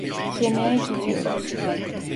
Yemeğe gidiyoruz.